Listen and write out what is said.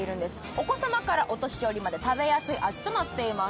お子様からお年寄りまで食べやすい味となっています。